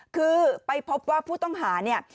คือไปพบว่าผู้ต้องหาเนี่ย